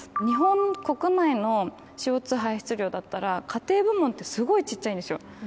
日本国内のＣＯ２排出量だったら家庭部門ってすごいちっちゃいんですよ